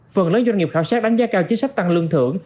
phần lớn doanh nghiệp khảo sát đánh giá cao chính sách tăng lương thưởng